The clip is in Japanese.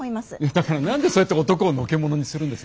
だから何でそうやって男をのけ者にするんです？